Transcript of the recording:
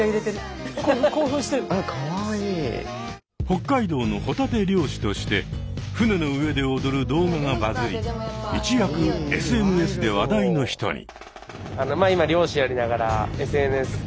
北海道のホタテ漁師として船の上で踊る動画がバズり一躍ＳＮＳで話題の人に。